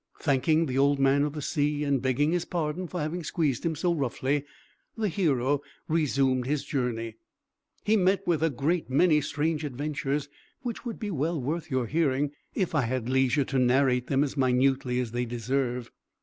Thanking the Old Man of the Sea, and begging his pardon for having squeezed him so roughly, the hero resumed his journey. He met with a great many strange adventures, which would be well worth your hearing, if I had leisure to narrate them as minutely as they deserve.